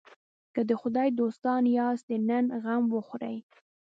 که د خدای دوستان یاست د نن غم وخورئ.